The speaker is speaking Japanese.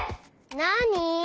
なに？